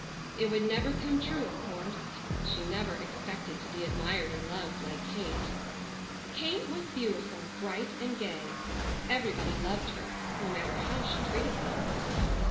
It would never come true, of course. She never expected to be admired and loved like Kate. Kate was beautiful, bright and gay. Everybody loved her, no matter how she treated them.